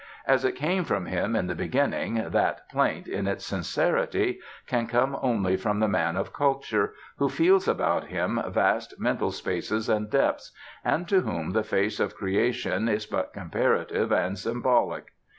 As it came from him in the beginning, that plaint, in its sincerity, can come only from the man of culture, who feels about him vast mental spaces and depths, and to whom the face of creation is but comparative and symbolic.